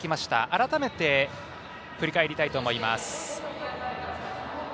改めて、振り返りたいと思います。